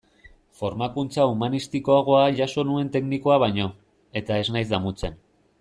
Formakuntza humanistikoagoa jaso nuen teknikoa baino, eta ez naiz damutzen.